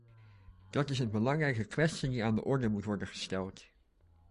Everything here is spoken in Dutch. Dat is een belangrijke kwestie die aan de orde moet worden gesteld.